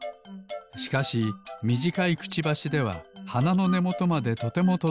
しかしみじかいくちばしでははなのねもとまでとてもとどきません。